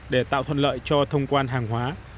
để tạo thuận lợi cho thông quan hàng hóa